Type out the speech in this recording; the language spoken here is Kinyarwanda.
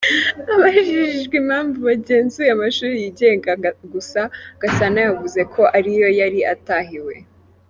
Abajijwe impamvu bagenzuye amashuri yigenga gusa, Gasana yavuze ko ariyo yari atahiwe.